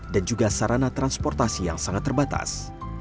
dan juga sarana transportasi yang sangat terbatas